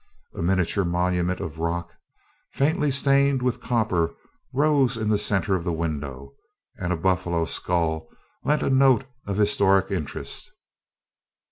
A miniature monument of rock faintly stained with copper rose in the center of the window, and a buffalo skull lent a note of historic interest.